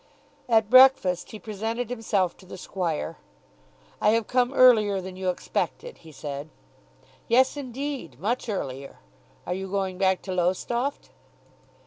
At breakfast he presented himself to the squire. "I have come earlier than you expected," he said. "Yes, indeed; much earlier. Are you going back to Lowestoft?"